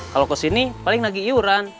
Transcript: kalau kesini paling nagi iuran